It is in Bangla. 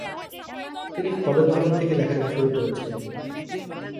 তিনি কলেজ জীবন থেকে লেখালেখি শুরু করেছেন।